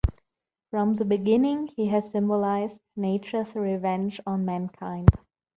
From the beginning he has symbolized nature's revenge on mankind.